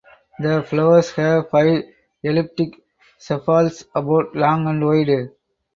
The flowers have five elliptic sepals about long and wide.